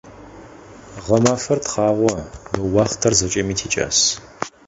Гъэмафэр тхъагъо, мы уахътэр зэкӀэми тикӀас.